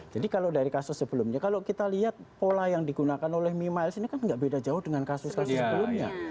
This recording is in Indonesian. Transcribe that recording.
jadi kalau dari kasus sebelumnya kalau kita lihat pola yang digunakan oleh mi miles ini kan enggak beda jauh dengan kasus kasus sebelumnya